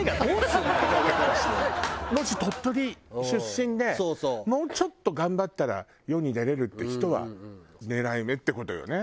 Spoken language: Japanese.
もし鳥取出身でもうちょっと頑張ったら世に出れるって人は狙い目って事よね。